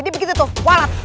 jadi begitu tuh walet